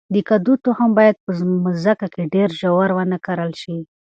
د کدو تخم باید په مځکه کې ډیر ژور ونه کرل شي.